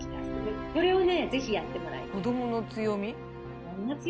ぜひやってもらいたい。